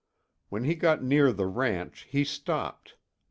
When he got near the ranch he stopped.